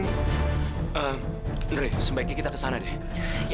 nggak ada dewi